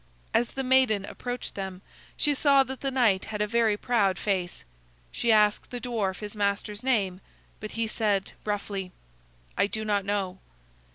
As the maiden approached them, she saw that the knight had a very proud face. She asked the dwarf his master's name, but he said, roughly: "I do not know."